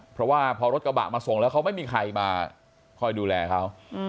เพราะว่าพอรถกระบะมาส่งแล้วเขาไม่มีใครมาคอยดูแลเขา